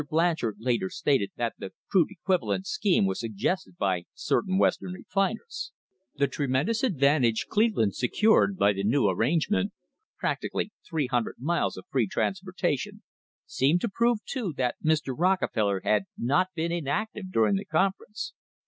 Blanchard later stated that the 'crude equivalent" scheme was suggested by certain Western refiners. The tremendous advantage Cleveland secured by the new arrangement, practically 300 miles of free transporta tion, seemed to prove, too, that Mr. Rockefeller had not been inactive during the conference.